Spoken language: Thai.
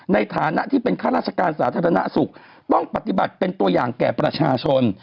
ในฐานะที่เป็นข้าราชการสาธารณสุขต้องปฏิบัติเป็นตัวอย่างแก่ประชาชน